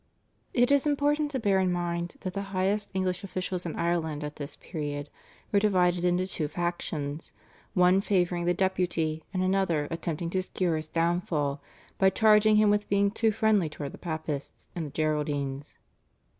It is important to bear in mind that the highest English officials in Ireland at this period were divided into two factions, one favouring the Deputy, and another attempting to secure his downfall by charging him with being too friendly towards the Papists and the Geraldines.